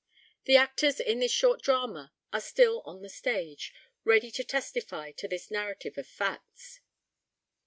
The actors in this short drama are still on the stage, ready to testify to this narrative of facts.